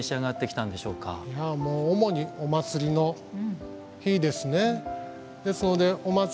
いやもう主にお祭りの日ですね。